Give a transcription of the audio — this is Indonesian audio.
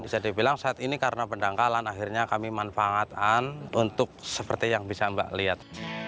bisa dibilang saat ini karena pendangkalan akhirnya kami manfaatkan untuk seperti yang bisa mbak lihat